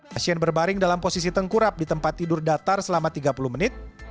pasien berbaring dalam posisi tengkurap di tempat tidur datar selama tiga puluh menit